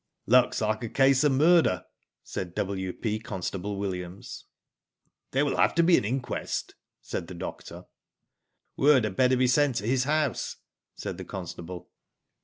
*' Looks like a case of murder," said W.P. Constable Williams. There will have to be an inquest," said the doctor. "Word had better be sent to his house," said the constable.